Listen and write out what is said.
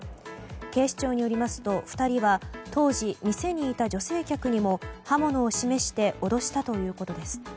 警視庁によりますと２人は当時、店にいた女性客にも刃物を示して脅したということです。